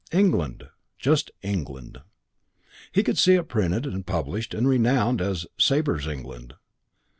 "England." Just "England." He could see it printed and published and renowned as "Sabre's England."